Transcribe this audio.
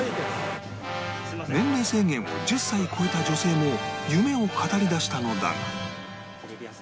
年齢制限を１０歳超えた女性も夢を語りだしたのだが